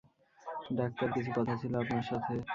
Doctor, কিছু কথা ছিল আপনার সাথে।